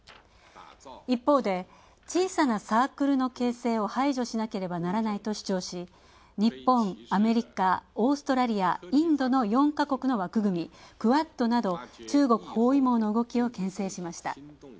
一方で小さなサークルの形勢を排除しなければならないとし日本、アメリカ、オーストラリア、インドの４か国の枠組み、ＱＵＡＤなど、中国包囲網のけん制しました。